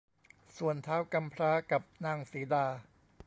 ส่วนท้าวกำพร้ากับนางสีดา